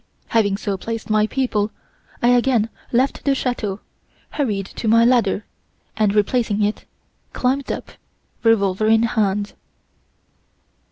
"Having so placed my people, I again left the chateau, hurried to my ladder, and, replacing it, climbed up, revolver in hand.